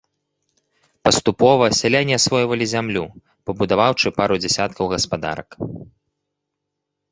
Паступова, сяляне асвоілі зямлю, пабудаваўшы пару дзясяткаў гаспадарак.